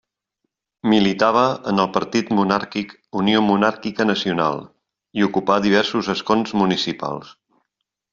Militava en el partit monàrquic Unió Monàrquica Nacional i ocupà diversos escons municipals.